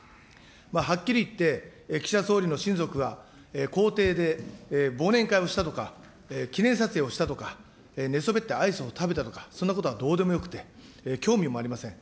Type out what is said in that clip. はっきり言って、岸田総理の親族が公邸で忘年会をしただとか、記念撮影をしたとか、寝そべってアイスを食べたとかそんなことはどうでもよくて、興味もありません。